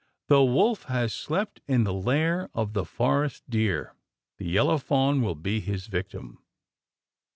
"The wolf has slept in the lair of the forest deer: the yellow fawn will be his victim.